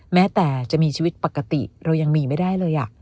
แม้แต่จะมีชีวิตปกติเรายังมีไม่ได้เลย